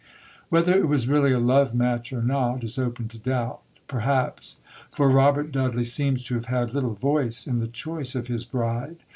Whether it was really a love match or not is open to doubt, perhaps; for Robert Dudley seems to have had little voice in the choice of his bride.